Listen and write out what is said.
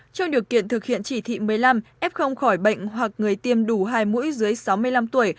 trong điều kiện thực hiện chỉ thị một mươi năm f khỏi bệnh hoặc người tiêm đủ hai mũi dưới sáu mươi năm tuổi